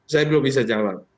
saya belum bisa jawab